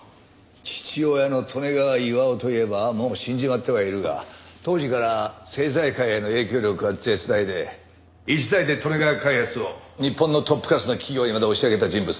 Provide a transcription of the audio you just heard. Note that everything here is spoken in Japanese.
父親の利根川巌といえばもう死んじまってはいるが当時から政財界への影響力は絶大で一代で利根川開発を日本のトップクラスの企業にまで押し上げた人物だ。